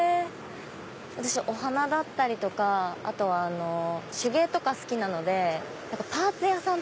私お花だったりとかあとは手芸とか好きなのでパーツ屋さんとか見ると